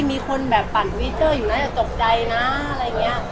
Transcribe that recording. มีคนแบบปั่นทวิตเตอร์อยู่น่าจะตกใจนะอะไรอย่างนี้